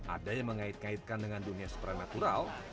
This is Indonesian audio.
ada yang mengait ngaitkan dengan dunia supranatural